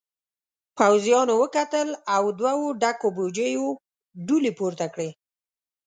پوځيانو وکتل او دوو ډکو بوجيو دوړې پورته کړې.